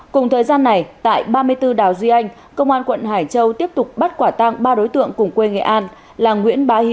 cùng thời gian này tại ba mươi bốn đảo duy anh công an quận hải châu tiếp tục bắt quả tăng ba đối tượng cùng quê nghệ an